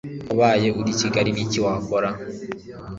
ubaye uri kigali niki wakora